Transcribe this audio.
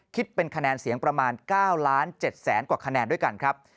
คิดเป็นคะแนนเสียงประมาณ๙๗๐๐กว่าคะแนนด้วยกันครับ